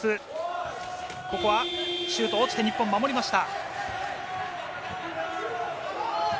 ここはシュートが落ちて、日本守りました。